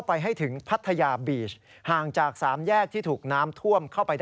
วันนี้ตั้งเป้าให้เจ้าน้าที่หน่วยซีล